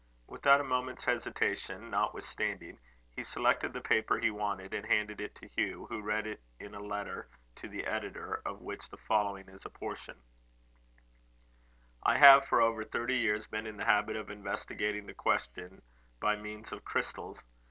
Without a moment's hesitation, notwithstanding, he selected the paper he wanted, and handed it to Hugh, who read in it a letter to the editor, of which the following is a portion: "I have for over thirty years been in the habit of investigating the question by means of crystals.